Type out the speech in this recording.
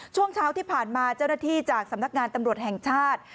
ช่วงเช้าที่ผ่านมาเจ้าหน้าที่จากสำนักงานตำรวจแห่งชาติ